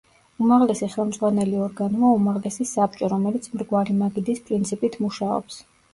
უმაღლესი ხელმძღვანელი ორგანოა უმაღლესი საბჭო, რომელიც მრგვალი მაგიდის პრინციპით მუშაობს.